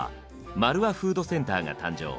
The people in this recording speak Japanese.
「丸和フードセンター」が誕生。